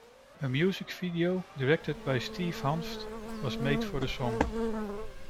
A music video, directed by Steve Hanft, was made for the song.